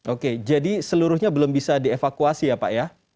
oke jadi seluruhnya belum bisa dievakuasi ya pak ya